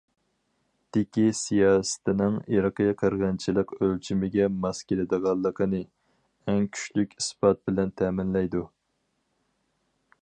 دىكى سىياسىتىنىڭ ئىرقىي قىرغىنچىلىق ئۆلچىمىگە ماس كېلىدىغانلىقىنى ئەڭ كۈچلۈك ئىسپات بىلەن تەمىنلەيدۇ.